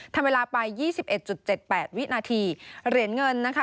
ทำเวลาไปยี่สิบเอ็ดจุดเจ็ดแปดวินาทีเหรียญเงินนะคะ